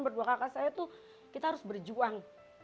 berdua kakak saya tuh kita harus berjuang